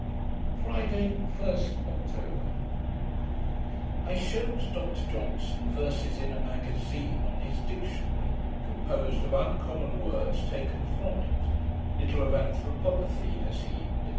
Friday, 1st October I shewed to Dr Johnson verses in a magazine, on his Dictionary, composed of uncommon words taken from it: Little of Anthropopathy has he, &c."